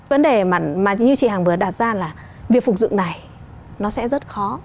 vấn đề mà như chị hằng vừa đặt ra là việc phục dựng này nó sẽ rất khó